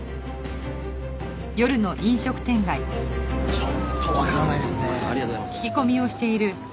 ちょっとわからないですね。